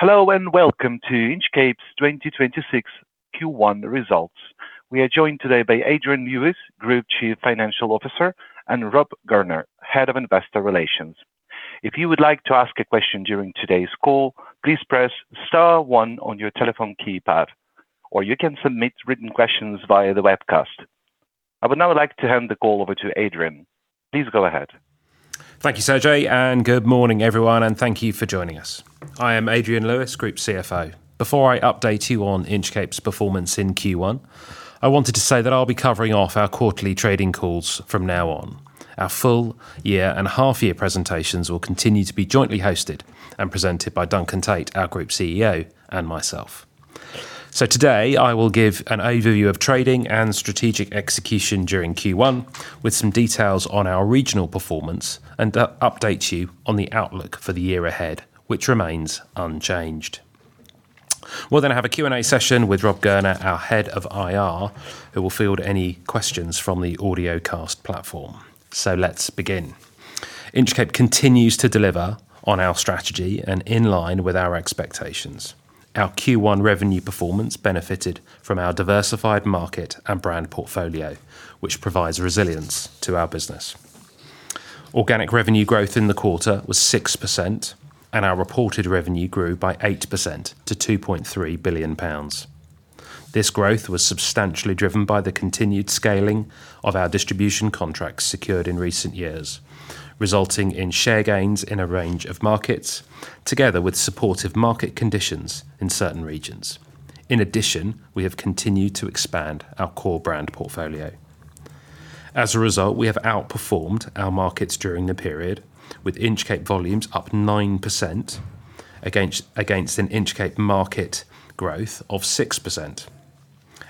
Hello, and welcome to Inchcape's 2026 Q1 results. We are joined today by Adrian Lewis, Group Chief Financial Officer, and Rob Gurner, Head of Investor Relations. If you would like to ask a question during today's call, please press star one on your telephone keypad, or you can submit written questions via the webcast. I would now like to hand the call over to Adrian. Please go ahead. Thank you, Sergei, good morning everyone, and thank you for joining us. I am Adrian Lewis, Group CFO. Before I update you on Inchcape's performance in Q1, I wanted to say that I'll be covering off our quarterly trading calls from now on. Our full year and half year presentations will continue to be jointly hosted and presented by Duncan Tait, our Group CEO, and myself. Today I will give an overview of trading and strategic execution during Q1 with some details on our regional performance and update you on the outlook for the year ahead, which remains unchanged. We'll have a Q&A session with Rob Gurner, our Head of IR, who will field any questions from the audiocast platform. Let's begin. Inchcape continues to deliver on our strategy and in line with our expectations. Our Q1 revenue performance benefited from our diversified market and brand portfolio, which provides resilience to our business. Organic revenue growth in the quarter was 6%, and our reported revenue grew by 8% to 2.3 billion pounds. This growth was substantially driven by the continued scaling of our distribution contracts secured in recent years, resulting in share gains in a range of markets together with supportive market conditions in certain regions. In addition, we have continued to expand our core brand portfolio. As a result, we have outperformed our markets during the period with Inchcape volumes up 9% against an Inchcape market growth of 6%.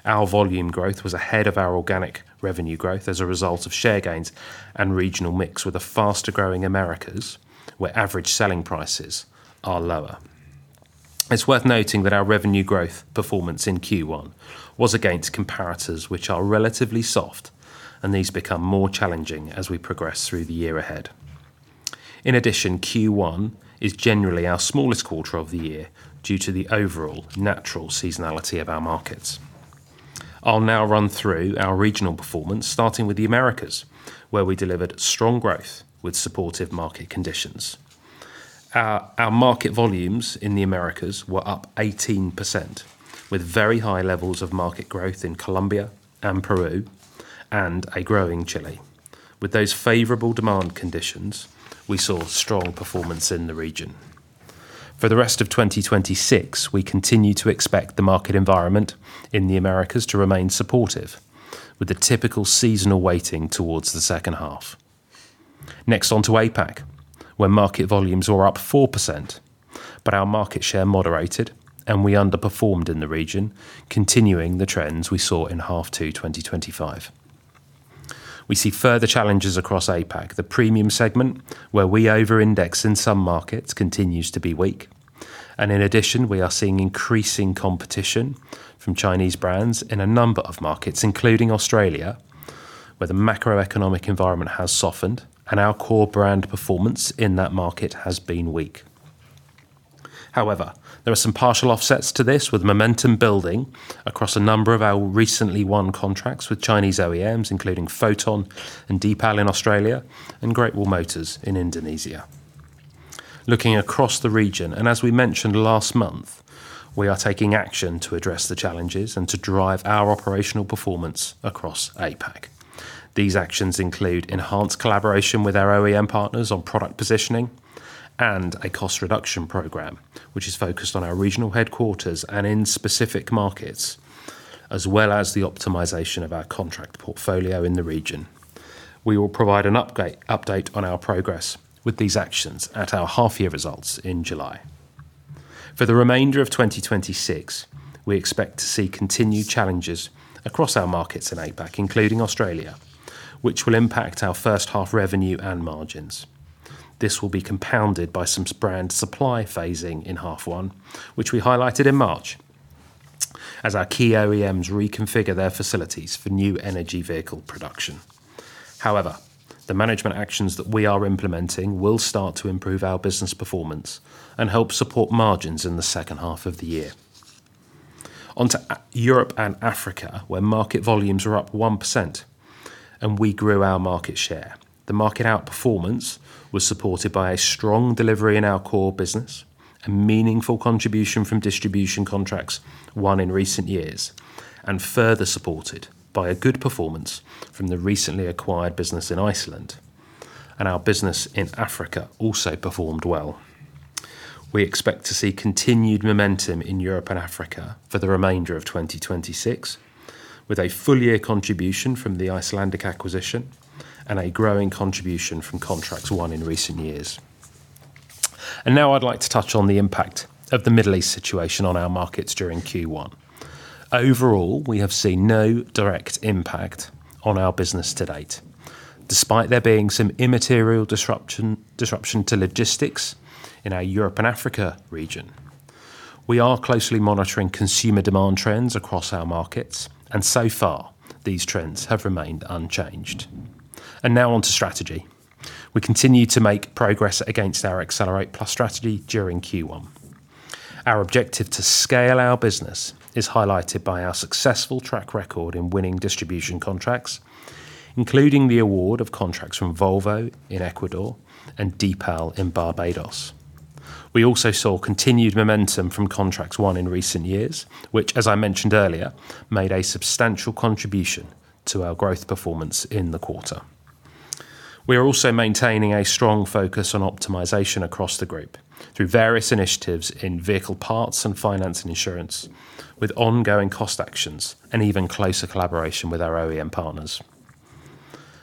Our volume growth was ahead of our organic revenue growth as a result of share gains and regional mix with the faster-growing Americas, where average selling prices are lower. It's worth noting that our revenue growth performance in Q1 was against comparators which are relatively soft, and these become more challenging as we progress through the year ahead. In addition, Q1 is generally our smallest quarter of the year due to the overall natural seasonality of our markets. I'll now run through our regional performance, starting with the Americas, where we delivered strong growth with supportive market conditions. Our market volumes in the Americas were up 18%, with very high levels of market growth in Colombia and Peru and a growing Chile. With those favorable demand conditions, we saw strong performance in the region. For the rest of 2026, we continue to expect the market environment in the Americas to remain supportive, with the typical seasonal weighting towards the second half. Next on to APAC, where market volumes were up 4%, but our market share moderated and we underperformed in the region, continuing the trends we saw in half two 2025. We see further challenges across APAC. The premium segment where we over-index in some markets continues to be weak. In addition, we are seeing increasing competition from Chinese brands in a number of markets, including Australia, where the macroeconomic environment has softened and our core brand performance in that market has been weak. However, there are some partial offsets to this with momentum building across a number of our recently won contracts with Chinese OEMs, including Foton and Deepal in Australia and Great Wall Motors in Indonesia. Looking across the region, and as we mentioned last month, we are taking action to address the challenges and to drive our operational performance across APAC. These actions include enhanced collaboration with our OEM partners on product positioning and a cost reduction program which is focused on our regional headquarters and in specific markets, as well as the optimization of our contract portfolio in the region. We will provide an update on our progress with these actions at our half year results in July. For the remainder of 2026, we expect to see continued challenges across our markets in APAC, including Australia, which will impact our first half revenue and margins. This will be compounded by some brand supply phasing in half one, which we highlighted in March as our key OEMs reconfigure their facilities for new energy vehicle production. However, the management actions that we are implementing will start to improve our business performance and help support margins in the second half of the year. On to Europe and Africa, where market volumes are up 1% and we grew our market share. The market outperformance was supported by a strong delivery in our core business, a meaningful contribution from distribution contracts won in recent years, and further supported by a good performance from the recently acquired business in Iceland. Our business in Africa also performed well. We expect to see continued momentum in Europe and Africa for the remainder of 2026, with a full year contribution from the Icelandic acquisition and a growing contribution from contracts won in recent years. Now I'd like to touch on the impact of the Middle East situation on our markets during Q1. Overall, we have seen no direct impact on our business to date, despite there being some immaterial disruption to logistics in our Europe and Africa region. We are closely monitoring consumer demand trends across our markets, so far these trends have remained unchanged. Now on to strategy. We continue to make progress against our Accelerate+ strategy during Q1. Our objective to scale our business is highlighted by our successful track record in winning distribution contracts, including the award of contracts from Volvo in Ecuador and Deepal in Barbados. We also saw continued momentum from contracts won in recent years, which as I mentioned earlier, made a substantial contribution to our growth performance in the quarter. We are also maintaining a strong focus on optimization across the group through various initiatives in vehicle parts and finance and insurance, with ongoing cost actions and even closer collaboration with our OEM partners.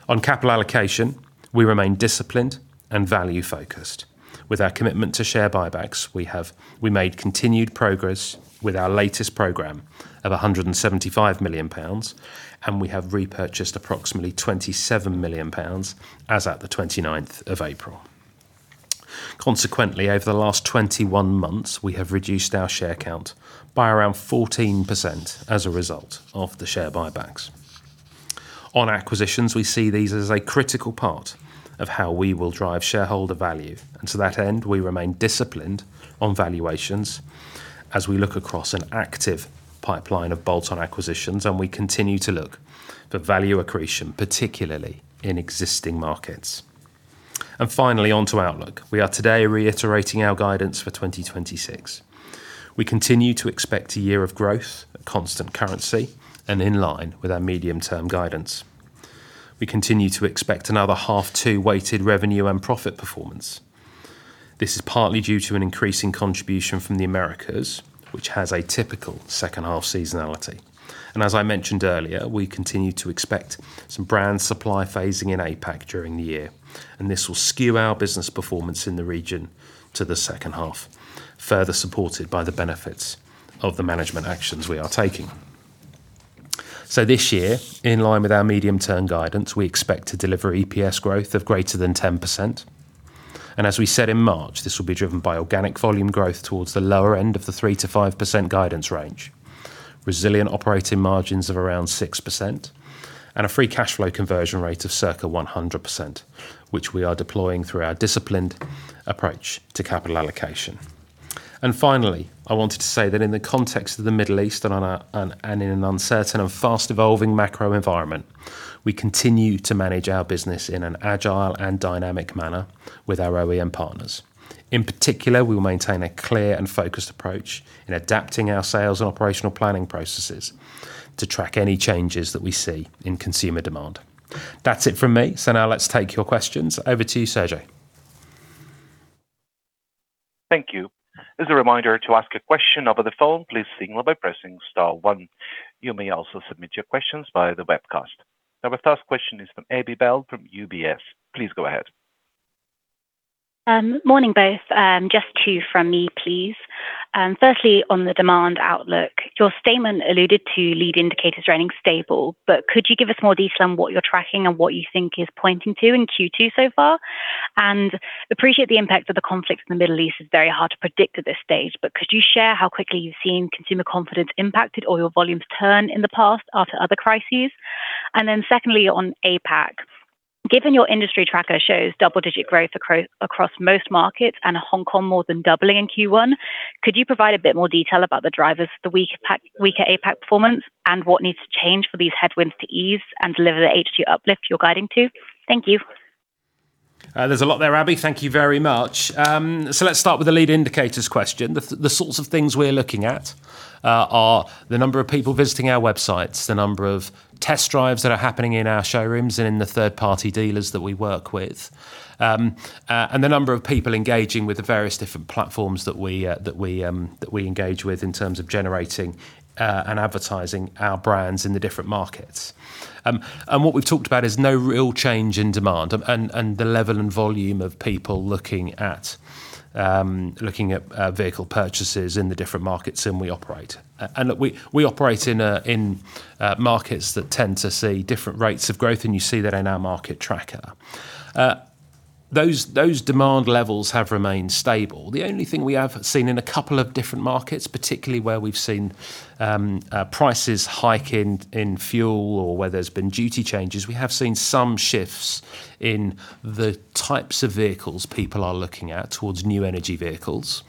On capital allocation, we remain disciplined and value-focused. With our commitment to share buybacks, we made continued progress with our latest program of 175 million pounds, and we have repurchased approximately 27 million pounds as at the 29th of April. Consequently, over the last 21 months, we have reduced our share count by around 14% as a result of the share buybacks. On acquisitions, we see these as a critical part of how we will drive shareholder value. To that end, we remain disciplined on valuations as we look across an active pipeline of bolt-on acquisitions, and we continue to look for value accretion, particularly in existing markets. Finally, on to outlook. We are today reiterating our guidance for 2026. We continue to expect a year of growth at constant currency and in line with our medium-term guidance. We continue to expect another half two weighted revenue and profit performance. This is partly due to an increasing contribution from the Americas, which has a typical second half seasonality. As I mentioned earlier, we continue to expect some brand supply phasing in APAC during the year, and this will skew our business performance in the region to the second half, further supported by the benefits of the management actions we are taking. This year, in line with our medium-term guidance, we expect to deliver EPS growth of greater than 10%. As we said in March, this will be driven by organic volume growth towards the lower end of the 3%-5% guidance range, resilient operating margins of around 6% and a free cash flow conversion rate of circa 100%, which we are deploying through our disciplined approach to capital allocation. Finally, I wanted to say that in the context of the Middle East and in an uncertain and fast evolving macro environment, we continue to manage our business in an agile and dynamic manner with our OEM partners. In particular, we will maintain a clear and focused approach in adapting our sales and operational planning processes to track any changes that we see in consumer demand. That's it from me. Now let's take your questions. Over to you, Sergei. Thank you. As a reminder to ask a question over the phone, please signal by pressing star one. You may also submit your questions via the webcast. The first question is from Abby Bell from UBS. Please go ahead. Morning, both. Just two from me, please. Firstly, on the demand outlook, your statement alluded to lead indicators running stable, but could you give us more detail on what you're tracking and what you think is pointing to in Q2 so far? Appreciate the impact of the conflict in the Middle East is very hard to predict at this stage, but could you share how quickly you've seen consumer confidence impacted or your volumes turn in the past after other crises? Second, on APAC, given your industry tracker shows double-digit growth across most markets and Hong Kong more than doubling in Q1, could you provide a bit more detail about the drivers for the weaker APAC performance and what needs to change for these headwinds to ease and deliver the HQ uplift you're guiding to? Thank you. There's a lot there, Abby. Thank you very much. Let's start with the lead indicators question. The sorts of things we're looking at are the number of people visiting our websites, the number of test drives that are happening in our showrooms and in the third party dealers that we work with, and the number of people engaging with the various different platforms that we engage with in terms of generating and advertising our brands in the different markets. What we've talked about is no real change in demand and the level and volume of people looking at looking at vehicle purchases in the different markets than we operate. We operate in markets that tend to see different rates of growth, and you see that in our market tracker. Those demand levels have remained stable. The only thing we have seen in a couple of different markets, particularly where we've seen prices hike in fuel or where there's been duty changes, we have seen some shifts in the types of vehicles people are looking at towards new energy vehicles.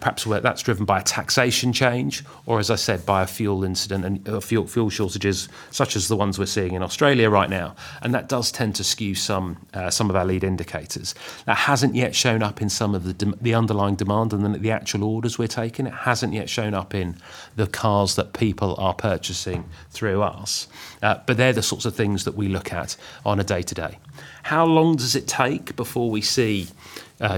Perhaps where that's driven by a taxation change or, as I said, by a fuel incident and fuel shortages such as the ones we're seeing in Australia right now. That does tend to skew some of our lead indicators. That hasn't yet shown up in some of the underlying demand and then the actual orders we're taking. It hasn't yet shown up in the cars that people are purchasing through us. They're the sorts of things that we look at on a day-to-day. How long does it take before we see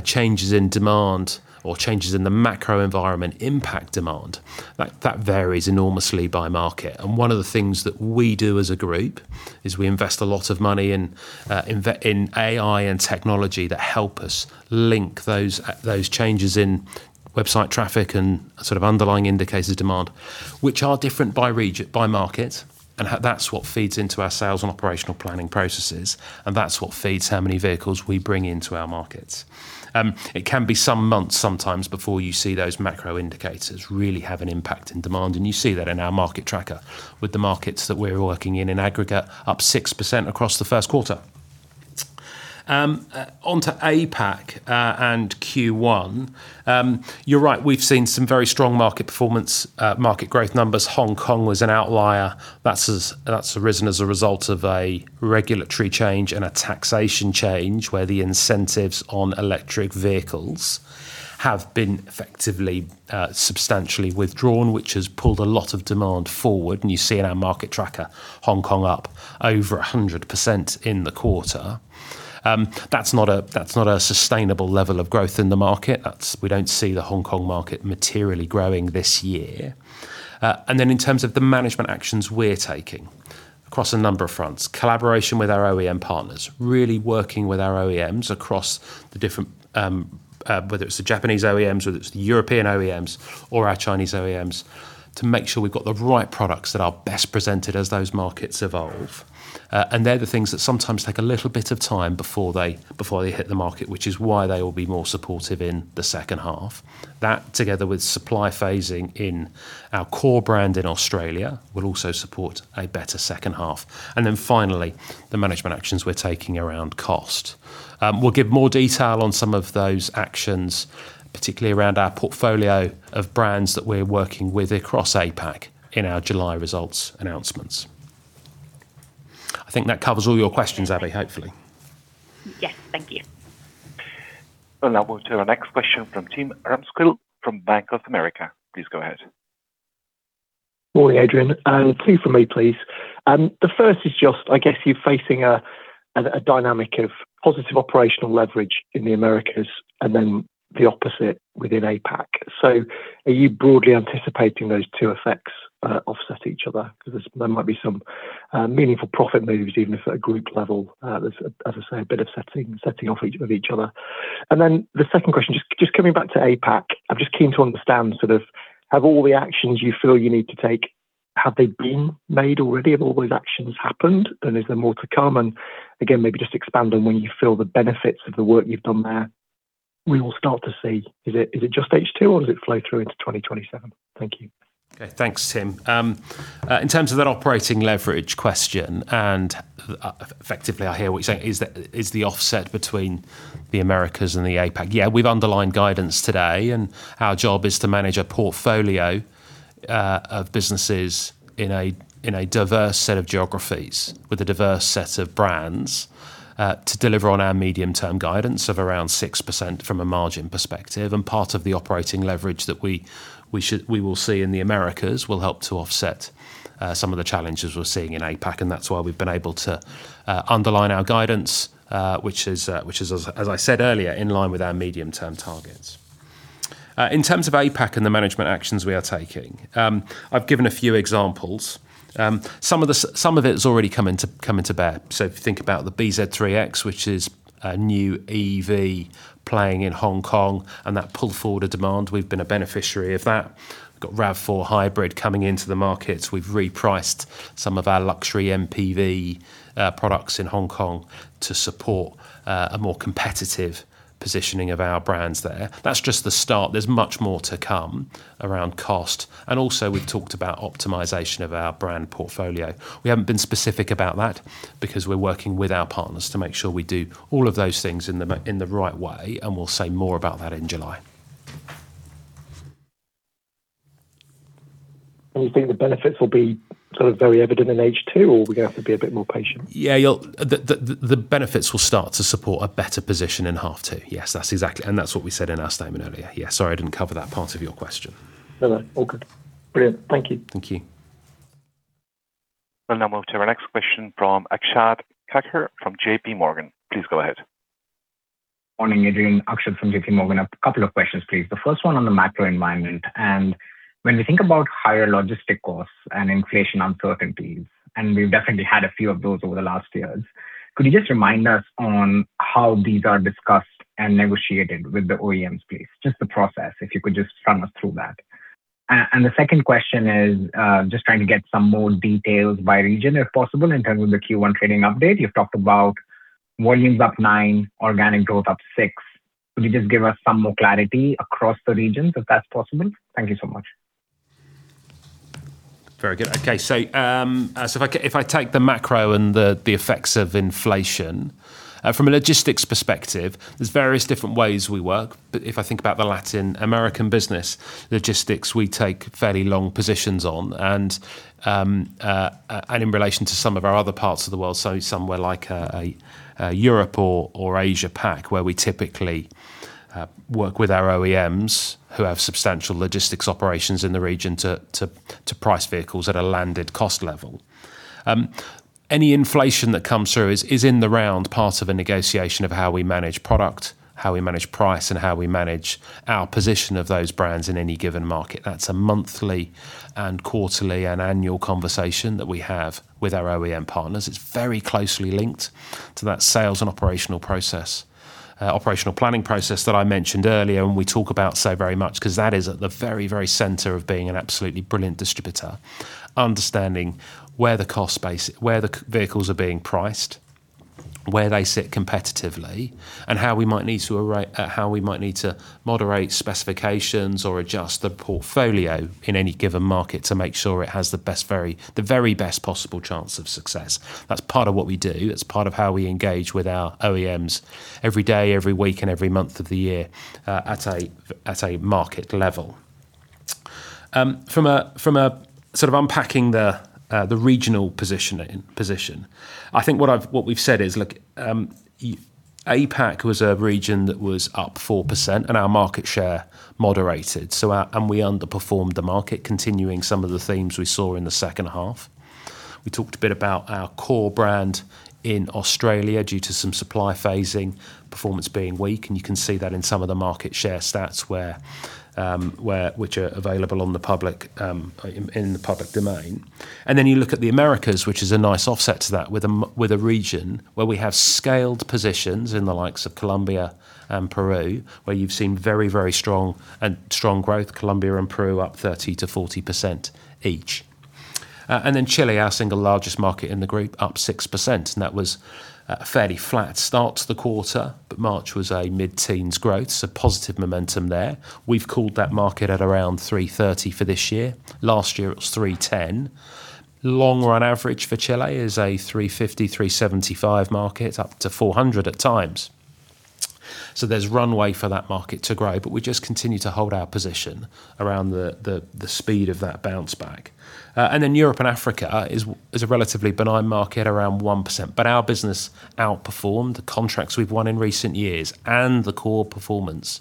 changes in demand or changes in the macro environment impact demand? That varies enormously by market. One of the things that we do as a group is we invest a lot of money in AI and technology that help us link those changes in website traffic and sort of underlying indicators demand, which are different by market, and that's what feeds into our sales and operational planning processes, and that's what feeds how many vehicles we bring into our markets. It can be some months sometimes before you see those macro indicators really have an impact in demand, and you see that in our market tracker with the markets that we're working in aggregate, up 6% across the first quarter. Onto APAC and Q1. You're right, we've seen some very strong market performance, market growth numbers. Hong Kong was an outlier. That's arisen as a result of a regulatory change and a taxation change where the incentives on electric vehicles have been effectively substantially withdrawn, which has pulled a lot of demand forward. You see in our market tracker Hong Kong up over 100% in the quarter. That's not a sustainable level of growth in the market. We don't see the Hong Kong market materially growing this year. In terms of the management actions we're taking across a number of fronts, collaboration with our OEM partners, really working with our OEMs across the different, whether it's the Japanese OEMs, whether it's the European OEMs or our Chinese OEMs, to make sure we've got the right products that are best presented as those markets evolve. They're the things that sometimes take a little bit of time before they hit the market, which is why they will be more supportive in the second half. That, together with supply phasing in our core brand in Australia, will also support a better second half. Finally, the management actions we're taking around cost. We'll give more detail on some of those actions, particularly around our portfolio of brands that we're working with across APAC in our July results announcements. I think that covers all your questions, Abby, hopefully. Yes. Thank you. We'll now move to our next question from Tim Ramskill from Bank of America. Please go ahead. Morning, Adrian. Two from me, please. The first is just, I guess you're facing a dynamic of positive operational leverage in the Americas and then the opposite within APAC. Are you broadly anticipating those two effects offset each other? There might be some meaningful profit moves even if at a group level. As I say, a bit of setting off each other. The second question, just coming back to APAC, I'm keen to understand have all the actions you feel you need to take, have they been made already? Have all those actions happened, and is there more to come? Again, maybe just expand on when you feel the benefits of the work you've done there, we will start to see. Is it just H2 or does it flow through into 2027? Thank you. Thanks, Tim. In terms of that operating leverage question, effectively I hear what you're saying is the offset between the Americas and APAC. Yeah, we've underlined guidance today, our job is to manage a portfolio of businesses in a diverse set of geographies with a diverse set of brands to deliver on our medium-term guidance of around 6% from a margin perspective. Part of the operating leverage that we will see in the Americas will help to offset some of the challenges we're seeing in APAC, that's why we've been able to underline our guidance, which is as I said earlier, in line with our medium-term targets. In terms of APAC and the management actions we are taking, I've given a few examples. Some of the, some of it has already come into bear. If you think about the BZ3X, which is a new EV playing in Hong Kong, and that pulled forward a demand, we've been a beneficiary of that. We've got RAV4 hybrid coming into the market. We've repriced some of our luxury MPV products in Hong Kong to support a more competitive positioning of our brands there. That's just the start. There's much more to come around cost. Also we've talked about optimization of our brand portfolio. We haven't been specific about that because we're working with our partners to make sure we do all of those things in the right way, and we'll say more about that in July. You think the benefits will be sort of very evident in H2, or we have to be a bit more patient? Yeah, the benefits will start to support a better position in H2. Yes, that's what we said in our statement earlier. Yeah, sorry I didn't cover that part of your question. No, no. All good. Brilliant. Thank you. Thank you. We'll now move to our next question from Akshat Kacker from JPMorgan. Please go ahead. Morning, Adrian. Akshat from JPMorgan. A couple of questions, please. The first one on the macro environment, when we think about higher logistic costs and inflation uncertainties, we've definitely had a few of those over the last years, could you just remind us on how these are discussed and negotiated with the OEMs, please? Just the process, if you could just run us through that. The second question is, just trying to get some more details by region, if possible, in terms of the Q1 trading update. You've talked about volumes up nine, organic growth up six. Could you just give us some more clarity across the regions, if that's possible? Thank you so much. Very good. Okay. If I take the macro and the effects of inflation from a logistics perspective, there's various different ways we work. If I think about the Latin American business logistics, we take fairly long positions on and in relation to some of our other parts of the world, so somewhere like Europe or Asia Pac, where we typically work with our OEMs who have substantial logistics operations in the region to price vehicles at a landed cost level. Any inflation that comes through is in the round part of a negotiation of how we manage product, how we manage price, and how we manage our position of those brands in any given market. That's a monthly and quarterly and annual conversation that we have with our OEM partners. It's very closely linked to that sales and operational process, operational planning process that I mentioned earlier and we talk about so very much, 'cause that is at the very, very center of being an absolutely brilliant distributor. Understanding where the cost base, where the vehicles are being priced. Where they sit competitively and how we might need to moderate specifications or adjust the portfolio in any given market to make sure it has the best, the very best possible chance of success. That's part of what we do. That's part of how we engage with our OEMs every day, every week, and every month of the year, at a market level. From a sort of unpacking the regional position, I think what we've said is, look, APAC was a region that was up 4% and our market share moderated, so we underperformed the market, continuing some of the themes we saw in the second half. We talked a bit about our core brand in Australia due to some supply phasing, performance being weak, and you can see that in some of the market share stats which are available on the public in the public domain. You look at the Americas, which is a nice offset to that, with a region where we have scaled positions in the likes of Colombia and Peru, where you've seen very strong growth. Colombia and Peru up 30%-40% each. Chile, our single largest market in the group, up 6%, that was a fairly flat start to the quarter, but March was a mid-teens growth, positive momentum there. We've called that market at around 330 for this year. Last year it was 310. Long run average for Chile is a 350-375 market, up to 400 at times. There's runway for that market to grow, but we just continue to hold our position around the speed of that bounce back. Europe and Africa is a relatively benign market around 1%, but our business outperformed the contracts we've won in recent years and the core performance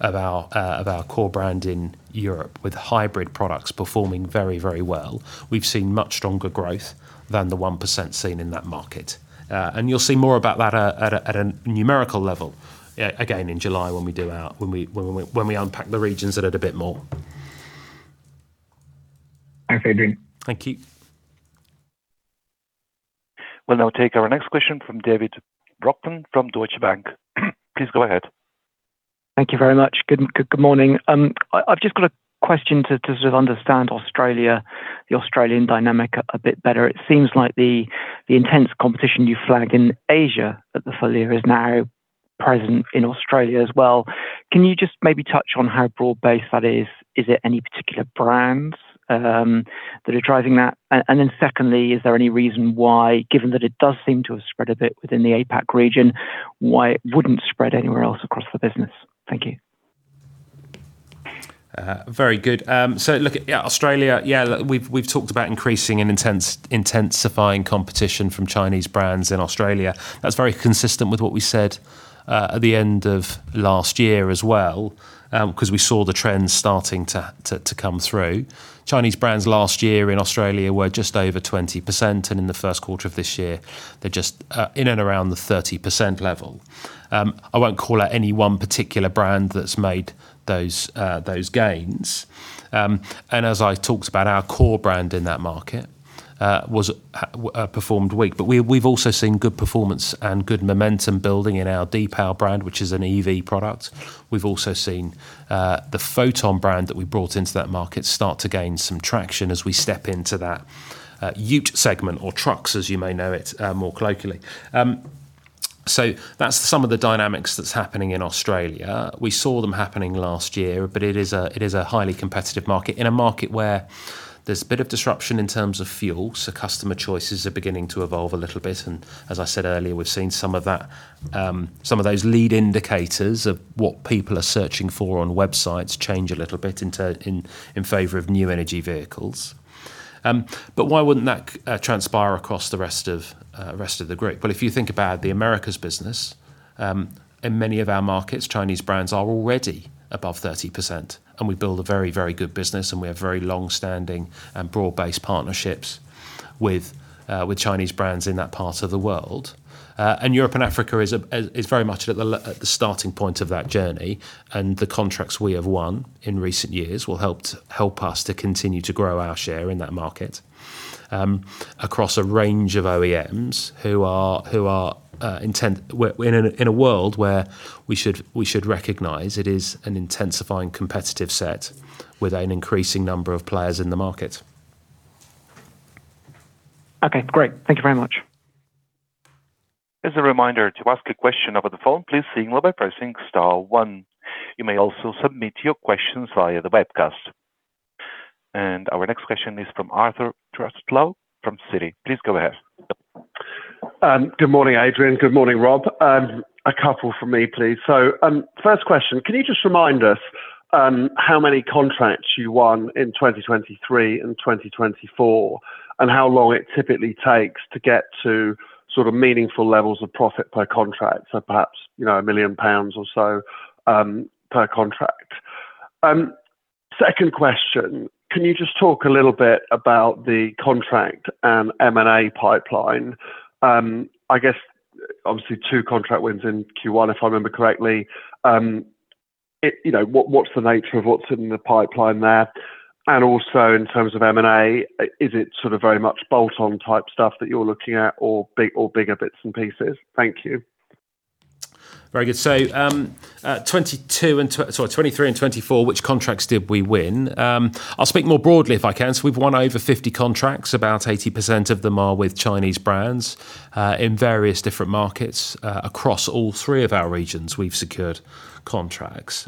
of our core brand in Europe with hybrid products performing very, very well. We've seen much stronger growth than the 1% seen in that market. You'll see more about that at a numerical level again in July when we unpack the regions a little bit more. Thanks, Adrian. Thank you. We'll now take our next question from David Brockton from Deutsche Bank. Please go ahead. Thank you very much. Good morning. I've just got a question to sort of understand Australia, the Australian dynamic a bit better. It seems like the intense competition you flag in Asia at the full year is now present in Australia as well. Can you just maybe touch on how broad-based that is? Is it any particular brands that are driving that? Then secondly, is there any reason why, given that it does seem to have spread a bit within the APAC region, why it wouldn't spread anywhere else across the business? Thank you. Very good. Look at Australia. We've talked about increasing and intensifying competition from Chinese brands in Australia. That's very consistent with what we said at the end of last year as well, 'cause we saw the trends starting to come through. Chinese brands last year in Australia were just over 20%, and in the first quarter of this year, they're just in and around the 30% level. I won't call out any one particular brand that's made those gains. As I talked about, our core brand in that market was performed weak. We've also seen good performance and good momentum building in our Deepal brand, which is an EV product. We've also seen the Foton brand that we brought into that market start to gain some traction as we step into that ute segment, or trucks as you may know it, more colloquially. That's some of the dynamics that's happening in Australia. We saw them happening last year, it is a highly competitive market. In a market where there's a bit of disruption in terms of fuel, customer choices are beginning to evolve a little bit. As I said earlier, we've seen some of that, some of those lead indicators of what people are searching for on websites change a little bit into favor of new energy vehicles. Why wouldn't that transpire across the rest of the group? Well, if you think about the Americas business, in many of our markets, Chinese brands are already above 30%, and we build a very good business and we have very long-standing and broad-based partnerships with Chinese brands in that part of the world. Europe and Africa is very much at the starting point of that journey, The contracts we have won in recent years will help us to continue to grow our share in that market, across a range of OEMs. We're in a world where we should recognize it is an intensifying competitive set with an increasing number of players in the market. Okay, great. Thank you very much. As a reminder, to ask a question over the phone, please signal by pressing star one. You may also submit your questions via the webcast. Our next question is from Arthur Truslow from Citi. Please go ahead. Good morning, Adrian. Good morning, Rob. A couple from me, please. First question, can you just remind us how many contracts you won in 2023 and 2024, and how long it typically takes to get to sort of meaningful levels of profit per contract? Perhaps, you know, 1 million pounds or so per contract. Second question, can you just talk a little bit about the contract and M&A pipeline? I guess obviously two contract wins in Q1, if I remember correctly. You know, what's the nature of what's in the pipeline there? Also in terms of M&A, is it sort of very much bolt-on type stuff that you're looking at or bigger bits and pieces? Thank you. Very good. In 2023 and 2024, which contracts did we win? I'll speak more broadly if I can. We've won over 50 contracts. About 80% of them are with Chinese brands in various different markets across all three of our regions we've secured contracts.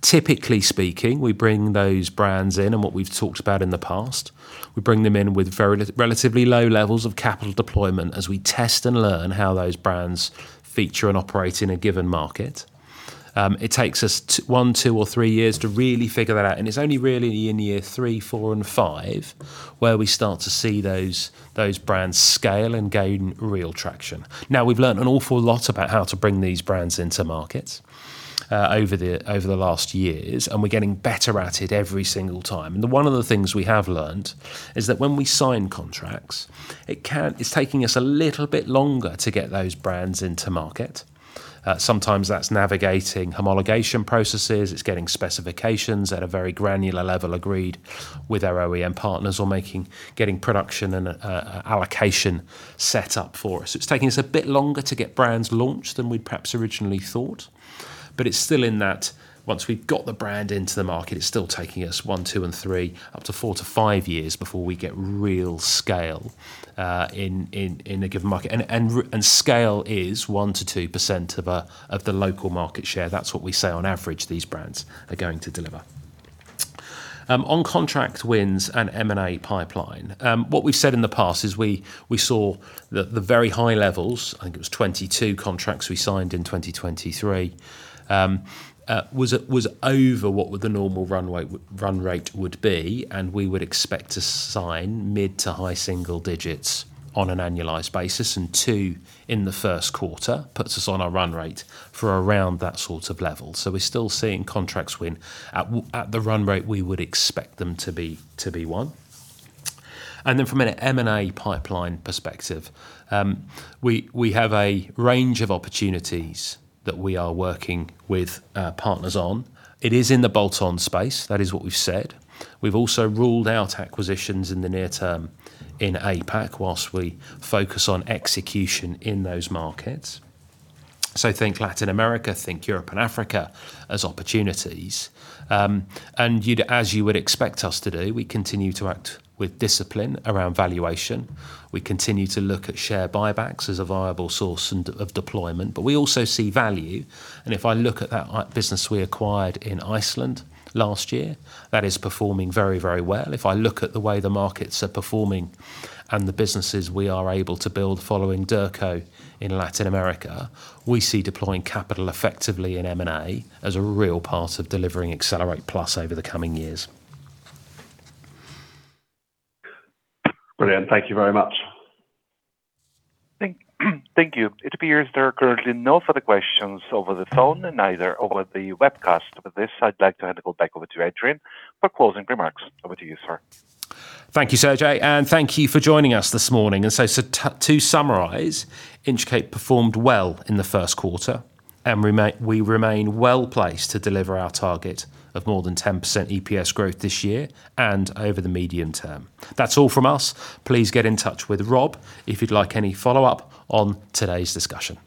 Typically speaking, we bring those brands in, and what we've talked about in the past, we bring them in with very relatively low levels of capital deployment as we test and learn how those brands feature and operate in a given market. It takes us one, two, or three years to really figure that out, and it's only really in year three, four, and five where we start to see those brands scale and gain real traction. Now, we've learned an awful lot about how to bring these brands into markets over the last years, and we're getting better at it every single time. One of the things we have learned is that when we sign contracts, it's taking us a little bit longer to get those brands into market. Sometimes that's navigating homologation processes, it's getting specifications at a very granular level agreed with our OEM partners or getting production and allocation set up for us. It's taking us a bit longer to get brands launched than we'd perhaps originally thought. It's still in that once we've got the brand into the market, it's still taking us one, two, and three, up to four to five years before we get real scale in a given market. Scale is 1%-2% of the local market share. That's what we say on average these brands are going to deliver. On contract wins and M&A pipeline, what we've said in the past is we saw the very high levels, I think it was 22 contracts we signed in 2023, was over what the normal run rate would be, and we would expect to sign mid-to-high single digits on an annualized basis, and two in the first quarter puts us on our run rate for around that sort of level. We're still seeing contracts win at the run rate we would expect them to be won. From an M&A pipeline perspective, we have a range of opportunities that we are working with partners on. It is in the bolt-on space, that is what we've said. We've also ruled out acquisitions in the near term in APAC whilst we focus on execution in those markets. Think Latin America, think Europe and Africa as opportunities. As you would expect us to do, we continue to act with discipline around valuation. We continue to look at share buybacks as a viable source of deployment. We also see value, and if I look at that business we acquired in Iceland last year, that is performing very, very well. If I look at the way the markets are performing and the businesses we are able to build following Derco in Latin America, we see deploying capital effectively in M&A as a real part of delivering Accelerate+ over the coming years. Brilliant. Thank you very much. Thank you. It appears there are currently no further questions over the phone and neither over the webcast. With this, I'd like to hand it back over to Adrian for closing remarks. Over to you, sir. Thank you, Sergei, thank you for joining us this morning. To summarize, Inchcape performed well in the first quarter, we remain well-placed to deliver our target of more than 10% EPS growth this year and over the medium term. That's all from us. Please get in touch with Rob if you'd like any follow-up on today's discussion.